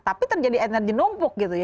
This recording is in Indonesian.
tapi terjadi energi numpuk gitu ya